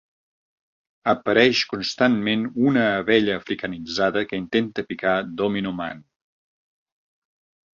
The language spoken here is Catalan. Apareix constantment una abella africanitzada que intenta picar Domino Man.